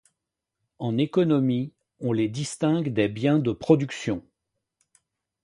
En économie, on les distingue des biens de production.